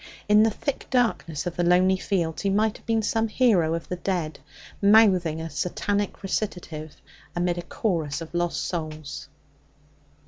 In the thick darkness of the lonely fields he might have been some hero of the dead, mouthing a satanic recitative amid a chorus of lost souls.